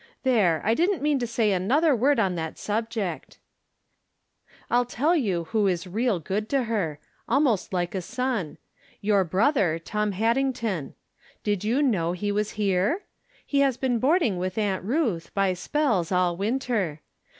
There, I didn't mean to say another word on that subject ! I'll tell you who is real good to her — almost like a son — your brother, Tom Haddington. Did you know he was here ? He has been boarding with Aunt Ruth, by spells, all winter.